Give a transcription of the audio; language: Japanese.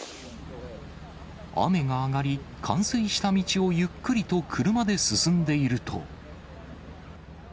雨が上がり、冠水した道をゆっくりと車で進んでいると。